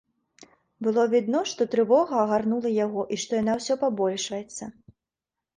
Было відно, што трывога агарнула яго і што яна ўсё пабольшваецца.